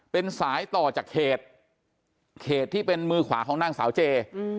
เป็นสายต่อจากเขตที่เป็นมือขวาของนางสาวเจ